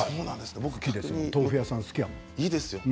豆腐屋さん、好きやもん。